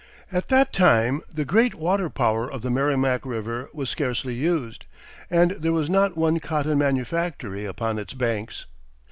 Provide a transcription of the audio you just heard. At that time the great water power of the Merrimac River was scarcely used, and there was not one cotton manufactory upon its banks.